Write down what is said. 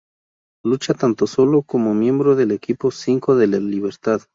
Lucha tanto solo, como miembro del equipo Cinco de la Libertad.